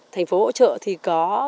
thành phố hỗ trợ thì có